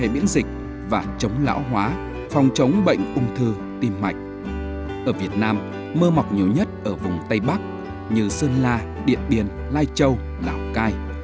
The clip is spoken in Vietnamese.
mơ mọc nhiều nhất ở vùng tây bắc như sơn la điện biển lai châu lào cai